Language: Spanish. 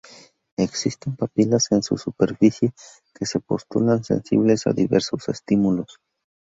Existen papilas en su superficie que se postulan sensibles a diversos estímulos.